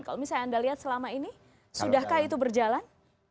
kalau misalnya anda lihat selama ini sudahkah itu berjalan